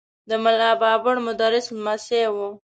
د ملا بابړ مدرس لمسی و.